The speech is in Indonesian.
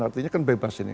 artinya kan bebas ini